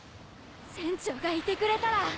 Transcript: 船長がいてくれたら。